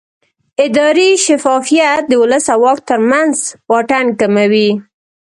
اداري شفافیت د ولس او واک ترمنځ واټن کموي